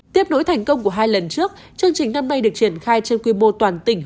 tiếp nối thành công của hai lần trước chương trình năm nay được triển khai trên quy mô toàn tỉnh